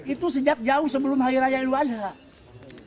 itu sejak jauh sebelum hari raya itu ada